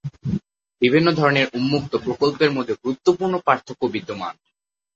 বিভিন্ন ধরনের উন্মুক্ত প্রকল্পের মধ্যে গুরুত্বপূর্ণ পার্থক্য বিদ্যমান।